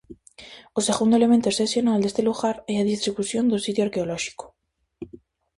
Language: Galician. O segundo elemento excepcional deste lugar é a distribución do sitio arqueolóxico.